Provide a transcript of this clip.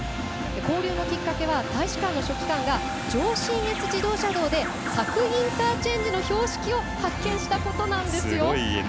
交流のきっかけは大使館の書記官が上信越自動車道で佐久インターチェンジの標識を発見したことなんです。